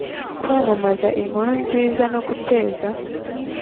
Kwamamaza inkuru nziza no guteza